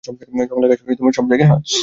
জংলা গাছ সব জায়গায় হয়।